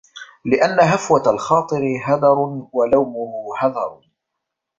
لِأَنَّ هَفْوَةَ الْخَاطِرِ هَدَرٌ وَلَوْمَهُ هَذْرٌ